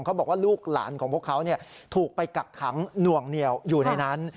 เขาบอกว่าลูกหลานของพวกเขาถูกไปกักขังหน่วงเหนียวอยู่ในนั้น